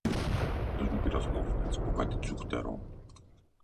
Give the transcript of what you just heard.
Μου ήλθε ο παλιός μου πειρασμός, να της πω κάτι τσουχτερό